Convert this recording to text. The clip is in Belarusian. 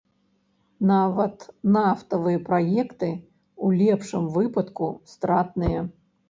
Нават нафтавыя праекты, у лепшым выпадку, стратныя.